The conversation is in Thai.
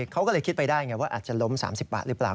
เขาก็เลยคิดไปได้ไงว่าอาจจะล้ม๓๐บาทหรือเปล่า